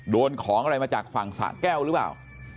โดนของอะไรมาจากฝั่งสะแก้วหรือเปล่า